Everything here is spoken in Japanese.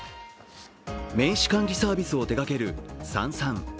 名刺管理サービスを手がけるＳａｎｓａｎ。